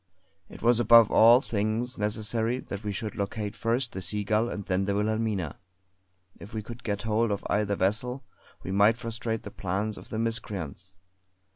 It was above all things necessary that we should locate first the Seagull and then the Wilhelmina. If we could get hold of either vessel we might frustrate the plans of the miscreants.